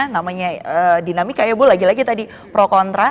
namanya dinamika ya bu lagi lagi tadi pro kontra